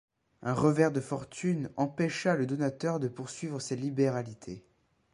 Un revers de fortune empêcha le donateur de poursuivre ses libéralités.